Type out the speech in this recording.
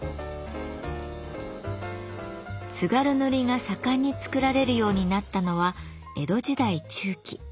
津軽塗が盛んに作られるようになったのは江戸時代中期。